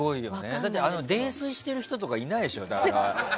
泥酔してる人とかいないでしょ。